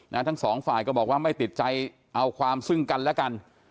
ทั้งสองฝ่ายก็บอกว่าไม่ติดใจเอาความซึ่งกันแล้วกัน